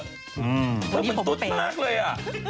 วันนี้ผมเป๊ะเป็นตุ๊ดมากเลยอ่ะ